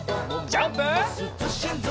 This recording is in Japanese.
ジャンプ！